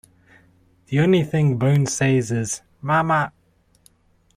The only thing Bone says is 'Mama.